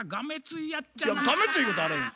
いやがめついことあれへん。